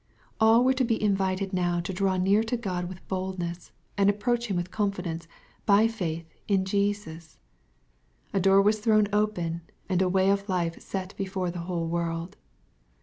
All were to be invited now to draw near to God with boldness, and approach Him with confidence, by faith in Jesus. A door was thrown open, and a way of life set before the whole world.